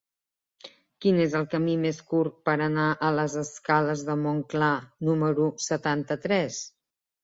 Quin és el camí més curt per anar a les escales de Montclar número setanta-tres?